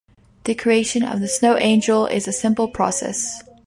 The creation of the snow angel is a simple process.